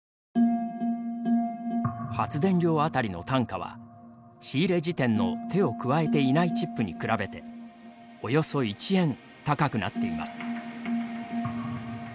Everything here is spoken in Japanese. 発電量当たりの単価は仕入れ時点の手を加えていないチップに比べておよそ１円、高くなっています。